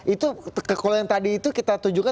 itu kalau yang tadi itu kita tunjukkan